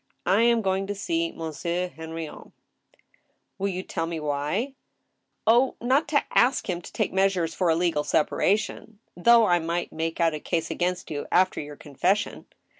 I am going to sjbc. Monsieur Henrion." •* Will you tell me why ?"" Oh ! not to ask him to take measures for a legal separation, ... though I might make out a case against you, after your confession